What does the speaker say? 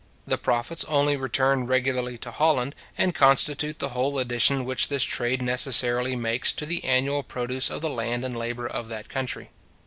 The profits only return regularly to Holland, and constitute the whole addition which this trade necessarily makes to the annual produce of the land and labour of that country.